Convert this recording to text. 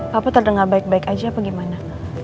papa terdengar baik baik aja apa gimana